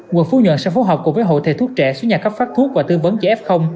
quận phú nhuận sẽ phối hợp cùng với hội thầy thuốc trẻ số nhà cấp phát thuốc và tư vấn cho f